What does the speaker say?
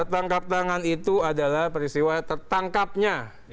tangkap tangan itu adalah peristiwa tertangkapnya